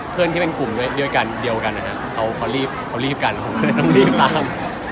เพื่อนที่เป็นกลุ่มเดียวกันนะครับเขารีบกันผมก็เลยต้องรีบตาม